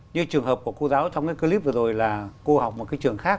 như trường hợp của cô giáo trong cái clip vừa rồi là cô học một cái trường khác